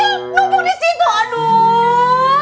numpuk di situ aduh